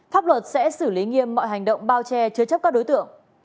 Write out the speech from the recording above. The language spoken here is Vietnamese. pháp luật sẽ xử lý nghiêm mọi hành động bao che chứa chấp các đối tượng